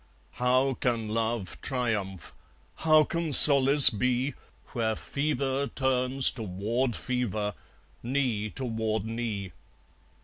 How can love triumph, how can solace be, Where fever turns toward fever, knee toward knee?